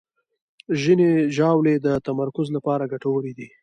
ځینې ژاولې د تمرکز لپاره ګټورې دي.